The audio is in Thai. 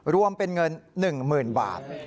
รวมเป็นเงิน๑๐๐๐บาท